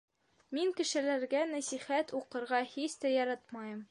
Мин кешеләргә нәсихәт уҡырға һис тә яратмайым.